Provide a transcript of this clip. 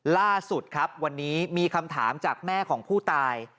ล่าสุดครับวันนี้มีคำถามจากแม่ของผู้ตาย